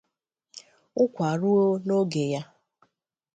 ụkwa rue n’oge ya